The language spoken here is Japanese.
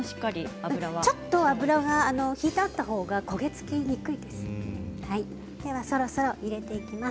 油がちょっとひいてあったほうが焦げ付きにくいです。